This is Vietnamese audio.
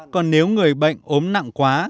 còn nếu người bệnh ốm nặng quá